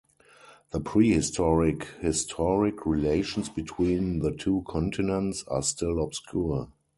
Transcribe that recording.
The prehistoric historic relations between the two continents are still obscure.